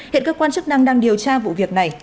hiện cơ quan chức năng đang điều tra vụ việc này